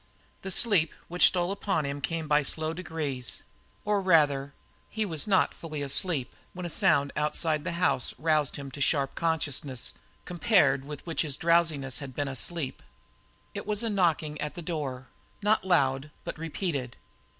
The sleep which stole upon him came by slow degrees; or, rather, he was not fully asleep, when a sound outside the house roused him to sharp consciousness compared with which his drowsiness had been a sleep. It was a knocking at the door, not loud, but repeated.